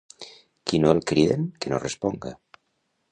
Qui no el criden, que no responga.